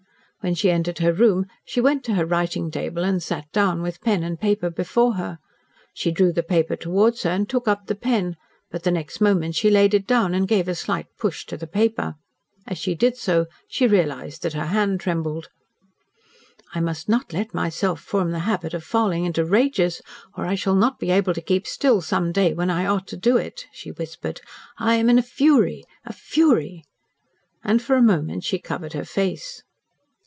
When she entered her room, she went to her writing table and sat down, with pen and paper before her. She drew the paper towards her and took up the pen, but the next moment she laid it down and gave a slight push to the paper. As she did so she realised that her hand trembled. "I must not let myself form the habit of falling into rages or I shall not be able to keep still some day, when I ought to do it," she whispered. "I am in a fury a fury." And for a moment she covered her face.